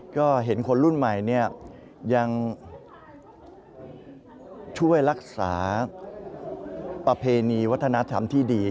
ก็เห็นคนรุ่นใหม่ยังช่วยรักษาประเพณีวัฒนธรรมที่ดี